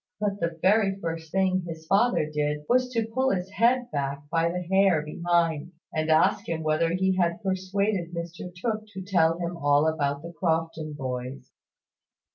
But the very first thing his father did was to pull his head back by the hair behind, and ask him whether he had persuaded Mr Tooke to tell him all about the Crofton boys.